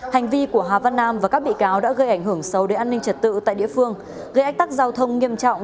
hành vi của hà văn nam và các bị cáo đã gây ảnh hưởng sâu đến an ninh trật tự tại địa phương gây ách tắc giao thông nghiêm trọng